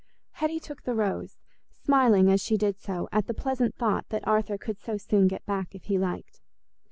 Hetty took the rose, smiling as she did so at the pleasant thought that Arthur could so soon get back if he liked.